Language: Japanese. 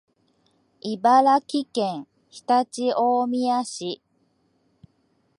茨城県常陸大宮市